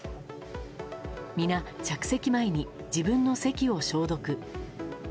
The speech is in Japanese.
皆、着席前に自分の席を消毒。